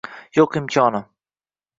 Yo’q imkoni